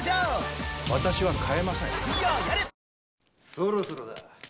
そろそろだ。